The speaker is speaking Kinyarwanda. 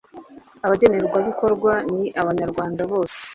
Abagenerwabikorwa ni Abanyarwanda bose